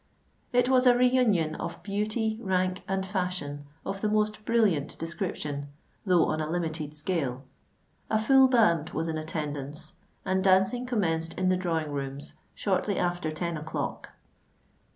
It was a re union of beauty, rank, and fashion, of the most brilliant description, though on a limited scale. A full band was in attendance; and dancing commenced in the drawing rooms shortly after ten o'clock.